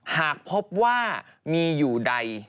หากพบว่ามีอยู่ใด